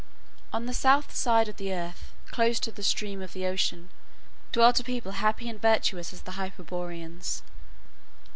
On the south side of the earth, close to the stream of Ocean, dwelt a people happy and virtuous as the Hyperboreans.